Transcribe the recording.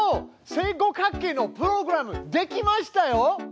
正五角形のプログラムできましたよ！